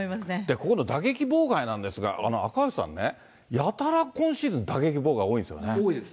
ここの打撃妨害なんですが、赤星さんね、やたら今シーズン、多いですね。